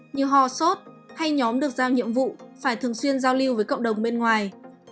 như ho sốt hay nhóm được giao nhiệm vụ phải thường xuyên giao lưu với cộng đồng bên ngoài